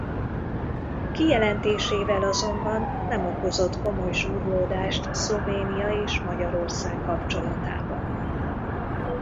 Kijelentésével azonban nem okozott komoly súrlódást Szlovénia és Magyarország kapcsolatában.